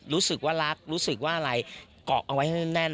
รู้สึกว่ารักรู้สึกว่าอะไรเกาะเอาไว้ให้แน่น